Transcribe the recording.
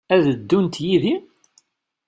Ad ddunt yid-i?